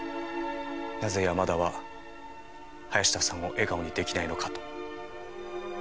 「なぜ山田は林田さんを笑顔にできないのか？」と。